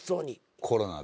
コロナで。